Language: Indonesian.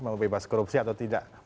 mau bebas korupsi atau tidak